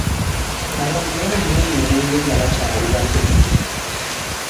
Abantu bangi abanywa omwenge nga bakyali bato.